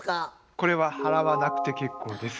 これは払わなくて結構です。